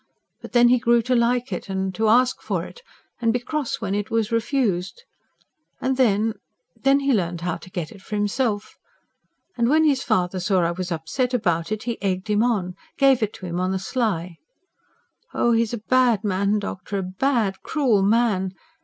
But then he grew to like it, and to ask for it, and be cross when he was refused. And then... then he learnt how to get it for himself. And when his father saw I was upset about it, he egged him on gave it to him on the sly. Oh, he is a bad man, doctor, a BAD, cruel man!